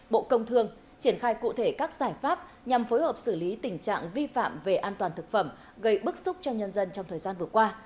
bộ công thương triển khai cụ thể các giải pháp nhằm phối hợp xử lý tình trạng vi phạm về an toàn thực phẩm gây bức xúc cho nhân dân trong thời gian vừa qua